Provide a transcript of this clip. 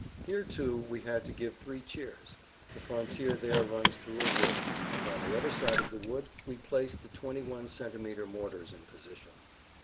Here, too, we had to give three cheers. The frontier there runs through a wood, and on the other side of the wood we placed the 21 cm. mortars in position.